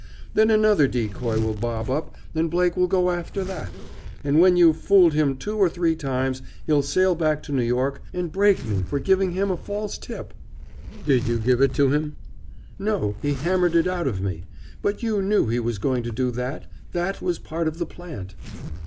Then another decoy will bob up, and Blake will go after that. And when you've fooled him two or three times he'll sail back to New York and break me for giving him a false tip." "Did you give it to him?" "No, he hammered it out of me. But you knew he was going to do that. That was part of the plant."